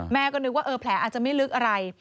แม่ก็นึกว่าแผลอาจจะไม่ลึกอะไร